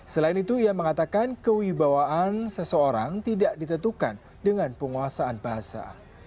selain itu ia mengatakan kewibawaan seseorang tidak ditentukan dengan penguasaan bahasa